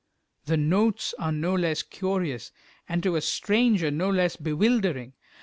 The notes are no less curious, and to a stranger no less bewildering.